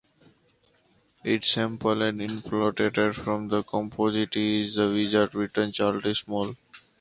It sampled an interpolation from the composition He's the Wizard written by Charlie Smalls.